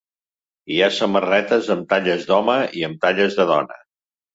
Hi ha samarretes amb talles d’home i amb talles de dona.